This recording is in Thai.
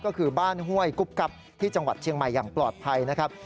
ก็คือบ้านห้วยกุ๊บกรับที่จังหวัดเชียงใหม่อย่างปลอดภัยนะครับ